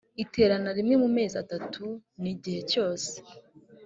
iterana rimwe mu mezi atatu n igihe cyose